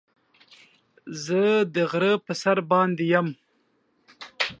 زه د غره په سر باندې يم.